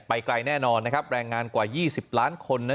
ไปไกลแน่นอนแรงงานกว่า๒๐ล้านคนนั้น